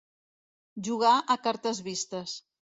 Jugar a cartes vistes.